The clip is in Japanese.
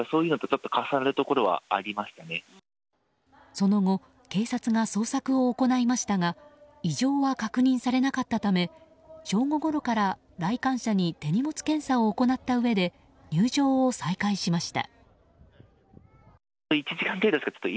その後、警察が捜索を行いましたが異常は確認されなかったため正午ごろから来館者に手荷物検査を行ったうえで入場を再開しました。